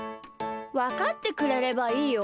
わかってくれればいいよ。